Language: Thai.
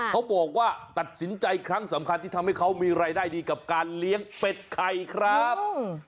เขาบอกว่าตัดสินใจครั้งสำคัญที่ทำให้เขามีรายได้ดีกับการเลี้ยงเป็ดไข่ครับ